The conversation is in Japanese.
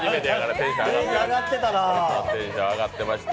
テンション上がってたな。